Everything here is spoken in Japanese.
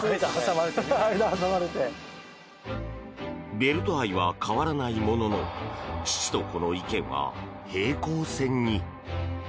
ベルト愛は変わらないものの父と子の意見は平行線に。